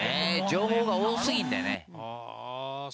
情報が多すぎるんだよね。